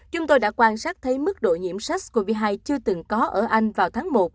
chúng tôi đã quan sát thấy mức độ nhiễm sars cov hai chưa từng có ở anh vào tháng một